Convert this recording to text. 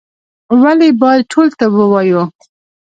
ولي باید ټول طب ووایو؟